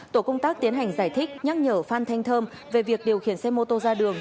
tổ công tác tiến hành giải thích nhắc nhở phan thanh thơm về việc điều khiển xe mô tô ra đường